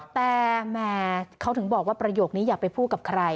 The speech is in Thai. แต่แหมเขาถึงบอกว่าประโยคนี้อย่าไปพูดกับใคร